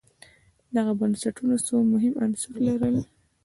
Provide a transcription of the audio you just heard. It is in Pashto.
دغو بنسټونو څو مهم عناصر لرل.